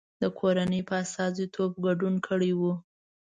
د کورنۍ په استازیتوب ګډون کړی و.